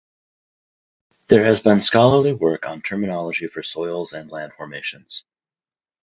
There has been scholarly work on terminology for soils and land formations.